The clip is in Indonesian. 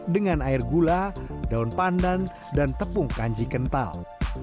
dengan air gula daun pandan dan tepung kanji kental